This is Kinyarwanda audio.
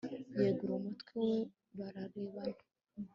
yegura umutwe we bararebana